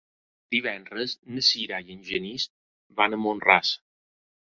Divendres na Sira i en Genís van a Mont-ras.